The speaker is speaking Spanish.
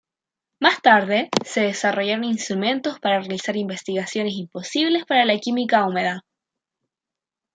Más tarde, se desarrollaron instrumentos para realizar investigaciones imposibles para la química húmeda.